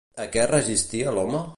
A què es resistia l'home?